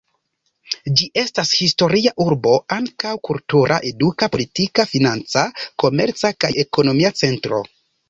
Ĝi estas historia urbo, ankaŭ kultura, eduka, politika, financa, komerca kaj ekonomia centro.